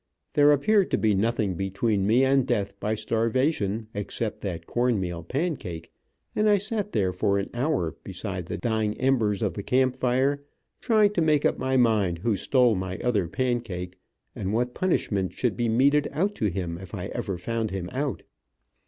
There appeared to be nothing between me and death by starvation, except that cornmeal pancake, and I sat there for an hour, beside the dying embers of the campfire, trying to make up my mind who stole my other pancake, and what punishment should be meted out to him if I ever found him out.